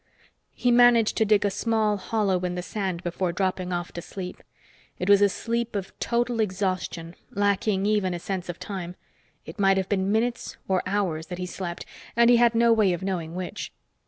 He managed to dig a small hollow in the sand before dropping off to sleep. It was a sleep of total exhaustion, lacking even a sense of time. It might have been minutes or hours that he slept, and he had no way of knowing which.